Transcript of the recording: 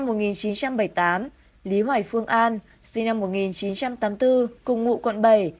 phạm ngọc thế sơn sinh năm một nghìn chín trăm bảy mươi tám lý hoài phương an sinh năm một nghìn chín trăm tám mươi bốn cùng ngụ quận bảy